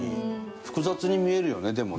複雑に見えるよねでもね。